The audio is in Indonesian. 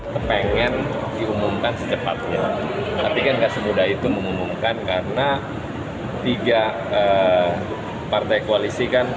kepengen diumumkan secepatnya tapi kan gak semudah itu mengumumkan karena tiga partai koalisi kan